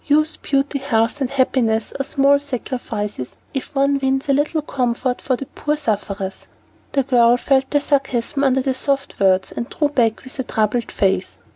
Youth, beauty, health, and happiness are small sacrifices if one wins a little comfort for the poor sufferers." The girl felt the sarcasm under the soft words and drew back with a troubled face.